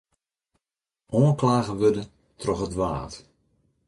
Oanklage wurde troch it Waad.